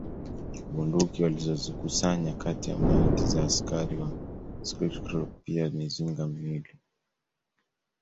Bunduki walizozikusanya kati ya maiti za askari wa Schutztruppe pia mizinga miwili